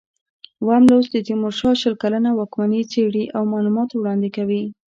اووم لوست د تیمورشاه شل کلنه واکمني څېړي او معلومات وړاندې کوي.